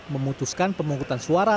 memutuskan pemungutan suara